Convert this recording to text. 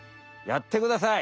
やってください！